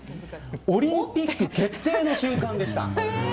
オリンピック決定の瞬間でした。